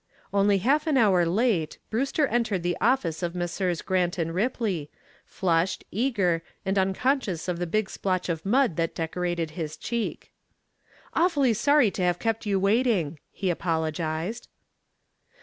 Only half an hour late, Brewster entered the office of Messrs. Grant & Ripley, flushed, eager, and unconscious of the big splotch of mud that decorated his cheek. "Awfully sorry to have kept you waiting," he apologized.